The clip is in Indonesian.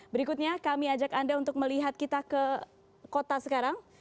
berikutnya kami ajak anda untuk melihat kita ke kota sekarang